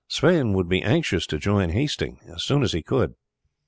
Sweyn would be anxious to join Hasting as soon as he could.